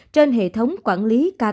trên hệ thống quản lý tình hình điều trị